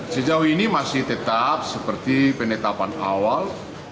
sejauh ini masih tetap seperti penetapan awal